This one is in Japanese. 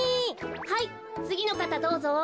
はいつぎのかたどうぞ。